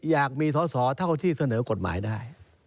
อยากมีสอสอเท่าที่เสนอกฎหมายได้